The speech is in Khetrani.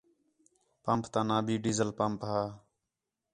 پمپ تا ناں بھی ڈیزل پمپ ہا